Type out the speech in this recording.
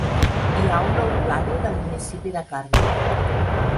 Hi ha un nou plànol del municipi de Carme.